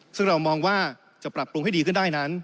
ซึ่งเรามองว่าจะปรับปรุงให้ดีขึ้นได้นั้น